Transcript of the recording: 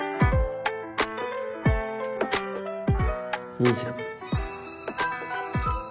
いいじゃん。